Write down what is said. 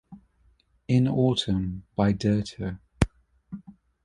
In Autumn by Dirter.